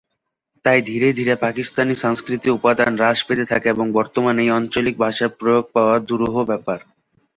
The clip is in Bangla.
তাই ধীরে ধীরে পাকিস্তানি সাংস্কৃতিক উপাদান হ্রাস পেতে থাকে এবং বর্তমানে এই আঞ্চলিক ভাষার প্রয়োগ পাওয়া দুরূহ ব্যাপার।